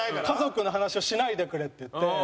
家族の話をしないでくれって言って。